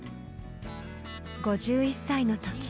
５１歳の時。